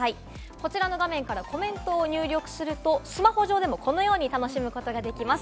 こちらの画面からコメントを入力すると、スマホ上でもこのように楽しむことができます。